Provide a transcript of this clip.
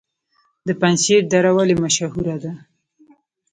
د پنجشیر دره ولې مشهوره ده؟